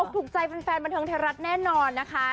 ถูกใจแฟนบรรทิวัลแน่นอนนะคะ